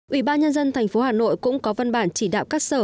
ủy ba nhân dân thành phố hà nội cũng có văn bản chỉ đạo các sở